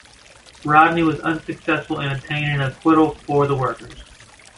Rodney was unsuccessful in attaining an acquittal for the workers.